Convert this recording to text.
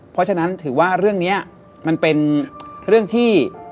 เพราะฉะนั้นถือว่าเรื่องนี้มันเป็นเรื่องที่